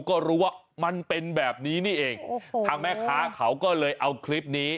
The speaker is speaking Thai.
ก็รู้ว่ามันเป็นแบบนี้นี่เองทางแม่ค้าเขาก็เลยเอาคลิปนี้